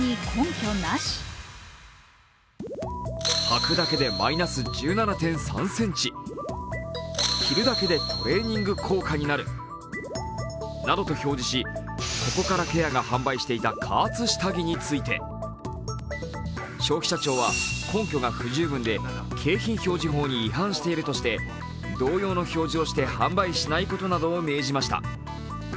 はくだけでマイナス１７．３ｃｍ、着るだけでトレーニング効果になるなどと表示しココカラケアが販売していた加圧下着について、消費者庁は根拠が不十分で景品表示法に違反しているとして同様の表示をして販売しないことなどを命じました。